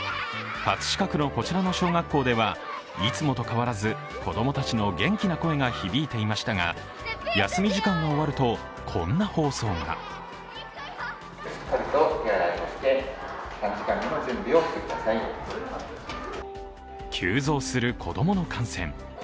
葛飾区のこちらの小学校では、いつもと変わらず子供たちの元気な声が響いていましたが休み時間が終わると、こんな放送が急増する子供の感染。